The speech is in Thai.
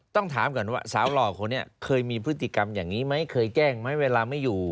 ต้องถามก่อนว่าสาวหล่อคนนี้เคยมีพฤติกรรมอย่างนี้ไหมเคยแจ้งไหมเวลาไม่อยู่